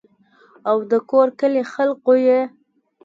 او دَکور کلي خلقو ئې